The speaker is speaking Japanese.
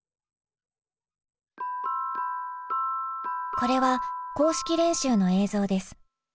これは公式練習の映像です。